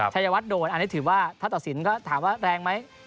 ชัยวัดโดนอันนี้ถือว่าถ้าตัดสินก็ถามว่าแรงไหม